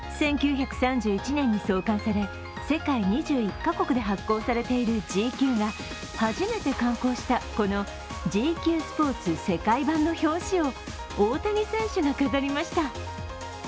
１９３１年に創刊され、世界２１カ国で販売されている「ＧＱ」が初めて刊行したこの「ＧＱスポーツ世界版」の表紙を大谷選手が飾りました。